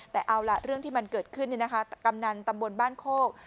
แต่เอาล่ะเรื่องที่มันเกิดขึ้นกำนันตำบลบ้านโคก